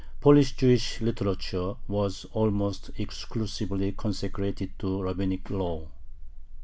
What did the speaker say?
Polish Jewish literature was almost exclusively consecrated to rabbinic law.